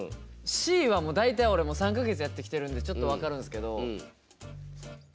Ｃはもう大体俺も３か月やってきてるんでちょっと分かるんですけど。